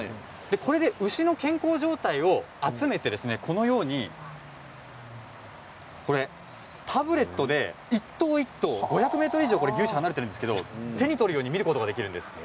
これで牛の健康状態を集めてタブレットで一頭一頭５００ｍ以上牛舎は離れているんですが手に取るように見ることができるんです。